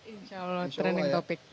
insya allah trending topic